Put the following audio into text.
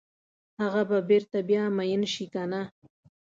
هغه به بیرته بیا میین شي کنه؟